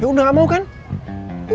lu mau nanggung rasa bersalah seumur hidup